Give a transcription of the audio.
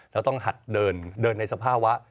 แล้วต้องหัดเดินในสภาวะ